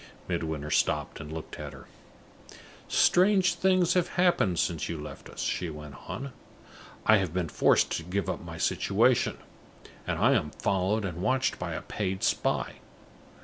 Midwinter stopped and looked at her. "Strange things have happened since you left us," she went on. "I have been forced to give up my situation, and I am followed and watched by a paid spy.